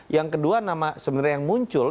yang kedua nama sebenarnya yang muncul